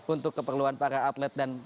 untuk keperluan para atlet dan